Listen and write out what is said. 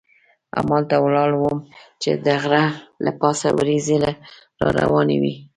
همالته ولاړ وم چې د غره له پاسه وریځې را روانې وې.